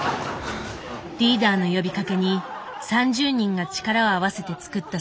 リーダーの呼びかけに３０人が力を合わせて作った作品。